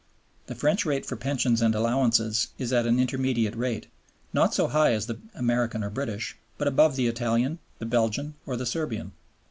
The French rate for Pensions and Allowances is at an intermediate rate, not so high as the American or British, but above the Italian, the Belgian, or the Serbian.